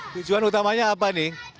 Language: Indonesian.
tujuan utamanya apa nih